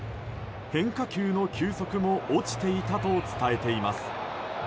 変化球の球速も落ちていたと伝えています。